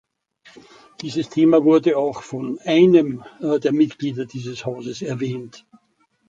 Dieses Thema wurde auch von einem der Mitglieder dieses Hauses erwähnt.